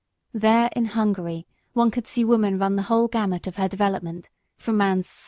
There in Hungary one could see woman run the whole gamut of her development, from man's slave to man's equal.